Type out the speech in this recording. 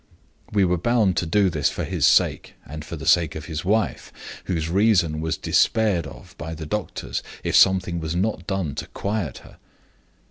We were bound to do this for his sake, and for the sake of his wife, whose reason was despaired of by the doctors if something was not done to quiet her.